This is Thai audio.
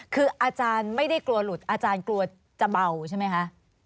คืออาจารย์ไม่ได้กลัวหลุดอาจารย์กลัวจะเบาใช่ไหมคะ